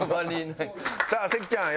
さあ関ちゃん